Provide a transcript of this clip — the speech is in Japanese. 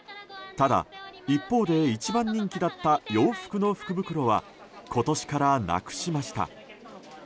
ただ、一方で一番人気だった洋服の福袋は今年からなくしました。